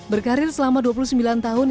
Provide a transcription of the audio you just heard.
berkarir selama dua puluh sembilan tahun